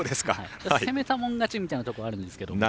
攻めたもん勝ちみたいなところあるんですけど。